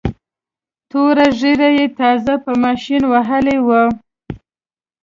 توره ږیره یې تازه په ماشین وهلې وه.